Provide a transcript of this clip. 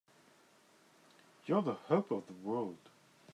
You're the hope of the world!